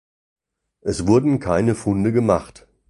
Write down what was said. Es wurden keine Funde gemacht.